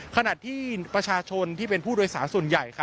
ขณะที่ประชาชนที่เป็นผู้โดยสารส่วนใหญ่